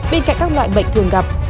bên cạnh các loại bệnh thường gặp